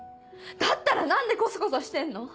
だったら何でコソコソしてんの？